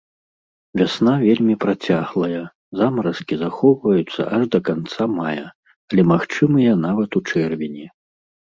Вясна вельмі працяглая, замаразкі захоўваюцца аж да канца мая, але магчымыя нават у чэрвені.